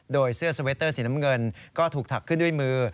โดยเสื้อสเวตเตอร์สีน้ำเงินก็ถูกถักขึ้นด้วยมือ